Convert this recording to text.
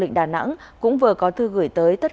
nó không như một kế hoạch